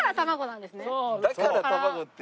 「だから卵」って。